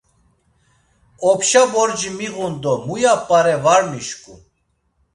Opşa borci miğun do muya p̌are var mişǩun.